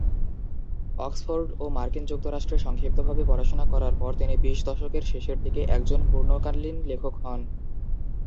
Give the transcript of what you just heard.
Oxford এবং মার্কিন যুক্তরাষ্ট্রে সংক্ষিপ্তভাবে পড়াশোনা করার পরে তিনি বিশ দশকের শেষের দিকে একজন পূর্ণকালীন লেখক হন।